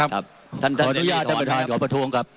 ขออนุญาตท่านประท้วงครับ